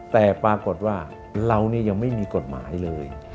แต่ปรากฏว่าเรายังไม่มีกฎหมายเลย